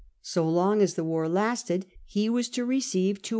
So long as the war lasted he was to receive 225,000